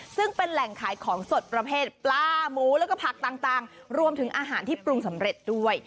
ซึ่งเป็นแหล่งขายของสดประเภทปลาหมูแล้วก็ผักต่างรวมถึงอาหารที่ปรุงสำเร็จด้วย